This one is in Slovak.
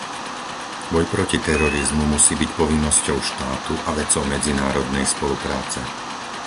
Boj proti terorizmu musí byť povinnosťou štátu a vecou medzinárodnej spolupráce.